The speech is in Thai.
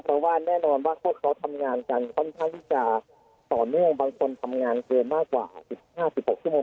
เพราะว่าแน่นอนว่าพวกเขาทำงานกันค่อนข้างที่จะต่อเนื่องบางคนทำงานเกินมากกว่า๑๕๑๖ชั่วโมง